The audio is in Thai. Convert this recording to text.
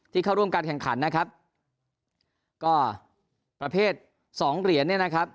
ที่เข้าร่วมการแข่งขันที่รอบ๒เหรียญ